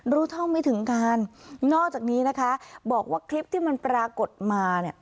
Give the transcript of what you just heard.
รู้เท่าไม่ถึงการนอกจากนี้นะคะบอกว่าคลิปที่มันปรากฏมาเนี่ย